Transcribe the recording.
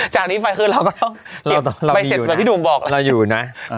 จากนี้ฟัยคือเราก็ต้องเอาไปเสร็จเหมือนที่ดูมบอกเราอยู่น่ะ